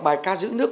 bài ca giữ nước